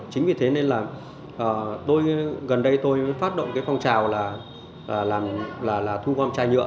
chính vì thế nên là tôi gần đây tôi mới phát động cái phong trào là thu gom chai nhựa